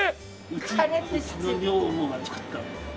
うちの女房が作ったんだよ。